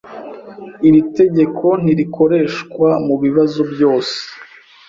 Iri tegeko ntirikoreshwa mubibazo byose.